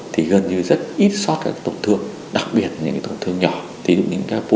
thì gần như rất ít sót tổn thương đặc biệt là những tổn thương nhỏ thí dụ như những cái polyp nhỏ